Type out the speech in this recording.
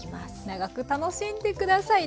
長く楽しんで下さい。